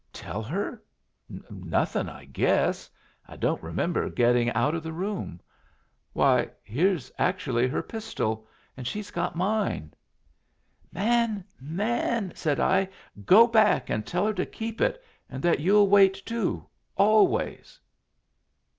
"Tell her? Nothin', I guess. I don't remember getting out of the room. Why, here's actually her pistol, and she's got mine!" "Man, man!" said I, "go back and tell her to keep it, and that you'll wait too always!"